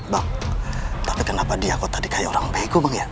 bang tapi kenapa dia kok tadi kayak orang bego bang ya